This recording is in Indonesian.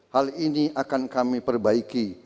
hal ini akan kami perbaiki